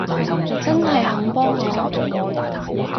你真係肯幫我？